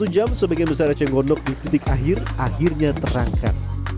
kenapa buruk lain bila eceng gondok tidak segera diangkat